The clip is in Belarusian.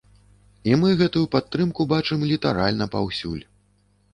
І мы гэтую падтрымку бачым літаральна паўсюль.